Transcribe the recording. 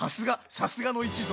さすがの一族。